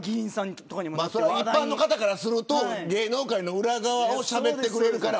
一般の方からすると芸能界の裏側をしゃべってくれるから。